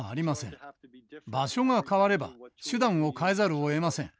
場所が変われば手段を変えざるをえません。